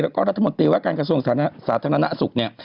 แล้วก็รัฐมนตรีว่าการกระทรวงสาธารณสุขเนี่ย